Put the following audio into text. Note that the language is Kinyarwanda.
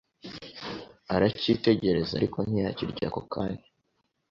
arakitegereza ariko ntiyakirya ako kanya